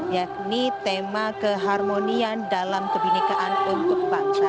yakni tema keharmonian dalam kebinekaan untuk bangsa